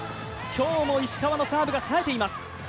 今日も石川のサーブがさえています。